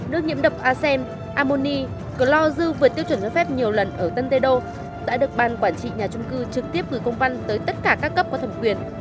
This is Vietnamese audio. nước nhiễm độc asem ammoni closu vừa tiêu chuẩn ra phép nhiều lần ở tân tây đô đã được ban quản trị nhà trung cư trực tiếp gửi công văn tới tất cả các cấp có thẩm quyền